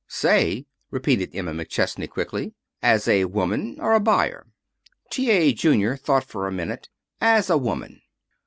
"Say?" repeated Emma McChesney quickly. "As a woman, or a buyer?" T. A. Junior thought a minute. "As a woman."